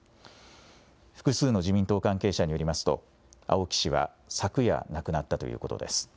複数の自民党関係者によりますと、青木氏は昨夜、亡くなったということです。